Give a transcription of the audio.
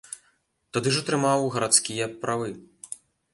Тады ж атрымаў гарадскія правы.